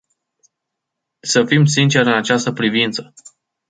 Să fim sinceri în această privință.